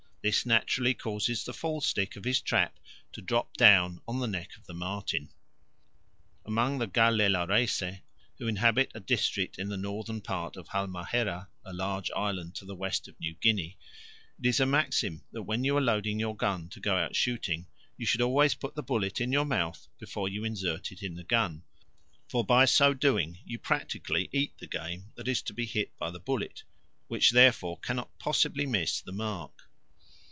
This naturally causes the fall stick of his trap to drop down on the neck of the marten. Among the Galelareese, who inhabit a district in the northern part of Halmahera, a large island to the west of New Guinea, it is a maxim that when you are loading your gun to go out shooting, you should always put the bullet in your mouth before you insert it in the gun; for by so doing you practically eat the game that is to be hit by the bullet, which therefore cannot possibly miss the mark.